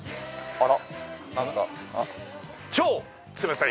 あら！